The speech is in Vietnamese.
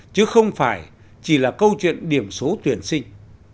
chứ không phải chỉ là câu chuyện điểm số tuyển sinh